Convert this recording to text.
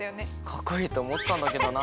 かっこいいとおもったんだけどなあ。